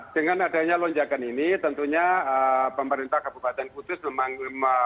dengan adanya lonjakan ini tentunya pemerintah kabupaten kudus memang